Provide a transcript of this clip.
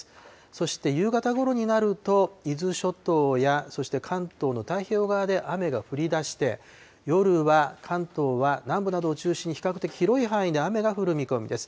そして夕方ごろになると、伊豆諸島や、そして関東の太平洋側で雨が降りだして、夜は関東は南部などを中心に比較的広い範囲で雨が降る見込みです。